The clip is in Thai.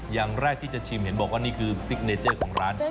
อย่างแรกที่จะชิมนี่คือซิกเนเจอร์ของร้าน